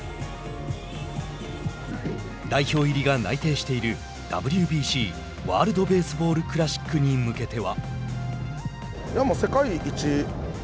代表入りが内定しているＷＢＣ＝ワールド・ベースボール・クラシックに向けては。